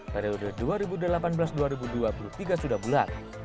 periode dua ribu delapan belas dua ribu dua puluh tiga sudah bulat